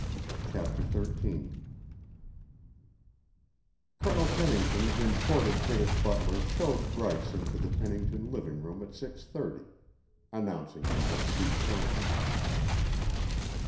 CHAPTER XIII Colonel Pennington's imported British butler showed Bryce into the Pennington living room at six thirty, announcing him with due ceremony.